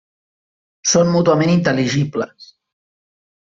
Són mútuament intel·ligibles.